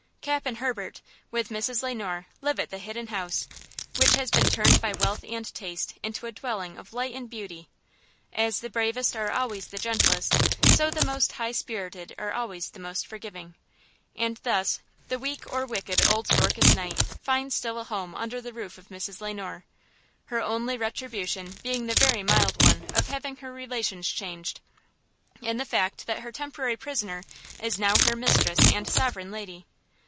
Cap and Herbert, with Mrs. Le Noir, live at the Hidden House, which has been turned by wealth and taste into a dwelling of light and beauty. As the bravest are always the gentlest, so the most high spirited are always the most forgiving. And thus the weak or wicked old Dorcas Knight finds still a home under the roof of Mrs. Le Noir. Her only retribution being the very mild one of having her relations changed in the fact that her temporary prisoner is now her mistress and sovereign lady.